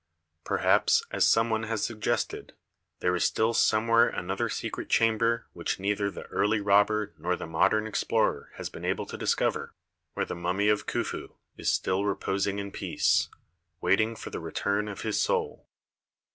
Perhaps, as someone has suggested, 0) s a* 3 o 0) THE PYRAMID OF KHUFU 17 there is still somewhere another secret chamber which neither the early robber nor the modern explorer has been able to discover, where the mummy of Khufu is still reposing in peace, waiting for the return of his soul.